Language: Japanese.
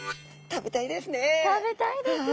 食べたいですね。